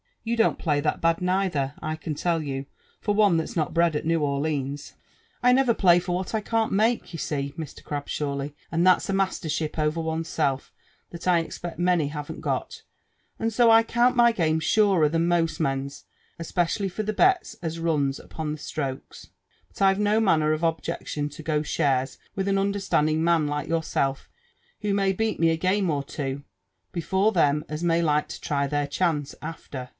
YoU don*t play that bad neither, I can tell you, for ooe that's iiot bred at NeW Orlines/' •* liiever play for what I can't make, you see, Mr. Crabshawly ; and that's a mastership over one's self that I ex|)ect many haven't got, and so I count my game surer than most men's, especially for the bets ak ruhs upon the strokes; but I've no manner of objection to go shares with an understanding man like yourself, who may beat me a game x>t two before them as may like to try theit* chance after.